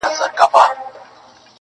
• راوړئ پلار مي په رضا وي که په زوره..